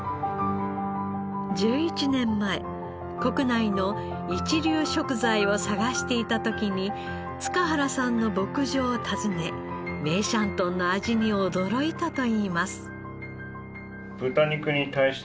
１１年前国内の一流食材を探していた時に塚原さんの牧場を訪ね梅山豚の味に驚いたといいます。